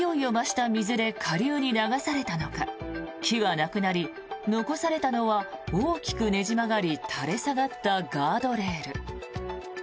その後、勢いを増した水で下流に流されたのか木はなくなり、残されたのは大きくねじ曲がり垂れ下がったガードレール。